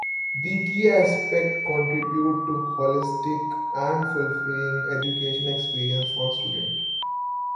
These key aspects contribute to a holistic and fulfilling educational experience for students.